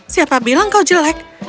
siapa bilang kau jelek